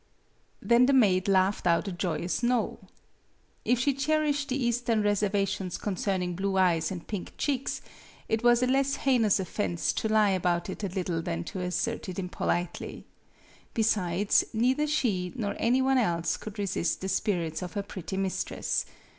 " Then the maid laughed out a joyous no. If she cherished the Eastern reservations con cerning blue eyes and pink cheeks, it was a less heinous offense to lie about it a little than to assert it impolitely. Besides, neither she nor any one else could resist the spirits of her pretty mistress.